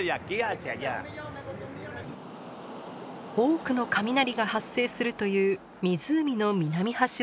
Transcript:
多くの雷が発生するという湖の南端を目指します。